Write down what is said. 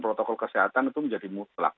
protokol kesehatan itu menjadi mutlak